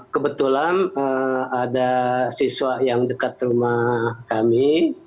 kebetulan ada siswa yang dekat rumah kami